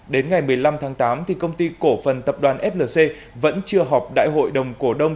đến ngày một mươi năm tháng tám công ty cổ phần tập đoàn flc vẫn chưa họp đại hội đồng cổ đông